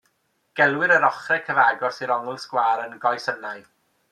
Gelwir yr ochrau cyfagos i'r ongl sgwâr yn goesynnau.